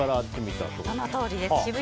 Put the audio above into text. そのとおりです。